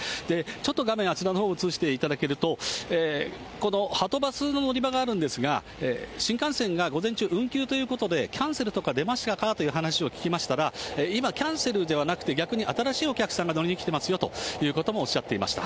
ちょっと画面あちらのほう映していただけると、このはとバスの乗り場があるんですが、新幹線が午前中運休ということで、キャンセルとか出ましたか？という話を聞きましたら、今、キャンセルではなくて、逆に新しいお客さんが乗りに来てますよということもおっしゃっていました。